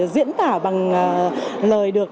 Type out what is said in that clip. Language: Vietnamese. diễn tả bằng lời được